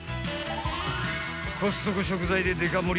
コストコ食材でデカ盛り